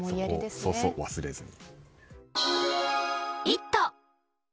そうそう、忘れずに。